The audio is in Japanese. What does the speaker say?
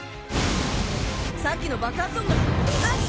さっきの爆発音が。